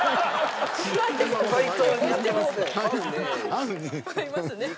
合いますね。